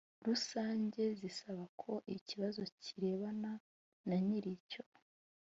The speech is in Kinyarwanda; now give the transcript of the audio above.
rusange zisabako ikibazo kirebana na nyir icyo